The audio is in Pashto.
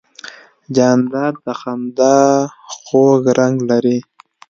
جانداد د خندا خوږ رنګ لري.